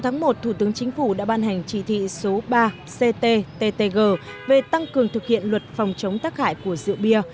ngày một mươi sáu một thủ tướng chính phủ đã ban hành chỉ thị số ba ctttg về tăng cường thực hiện luật phòng chống tác hại của rượu bia